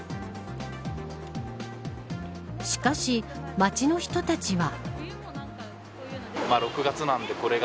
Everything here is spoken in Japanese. しかし、街の人たちは。